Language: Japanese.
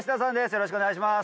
よろしくお願いします。